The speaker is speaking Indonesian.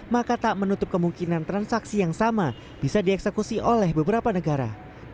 maka tak menutup kemungkinan transaksi yang sama bisa dieksekusi oleh beberapa negara